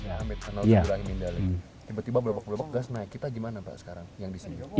amit kenal juga ini dali tiba tiba berlapak belapak gas naik kita gimana pak sekarang yang di sini